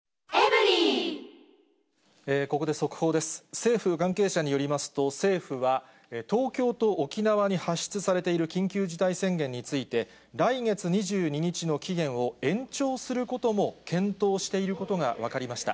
政府関係者によりますと、政府は東京と沖縄に発出されている緊急事態宣言について、来月２２日の期限を延長することも検討していることが分かりました。